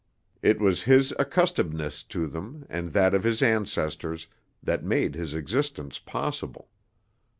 It was his accustomedness to them, and that of his ancestors, that made his existence possible.